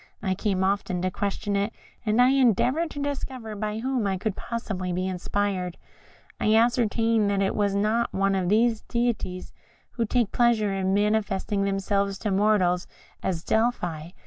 I came often to question it, and I endeavoured to discover by whom it could possibly be inspired. I ascertained that it was not one of those deities who take pleasure in manifesting themselves to mortals, as at Delphi.